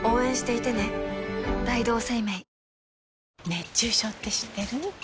熱中症って知ってる？